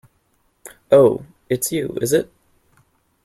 Oh, it's you, is it?